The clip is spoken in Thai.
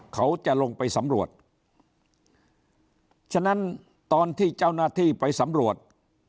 เขาจะลงไปสำรวจฉะนั้นตอนที่เจ้าหน้าที่ไปสำรวจ